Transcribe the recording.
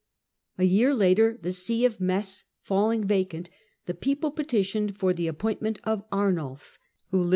A year later, the See of Metz falling vacant, the people petitioned for the appointment of Arnulf.